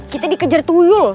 kita di kejar tuyul